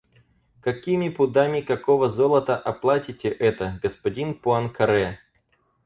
Какими пудами какого золота оплатите это, господин Пуанкаре?